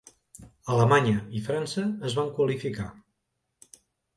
Alemanya i França es van qualificar.